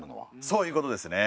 そういうことですね。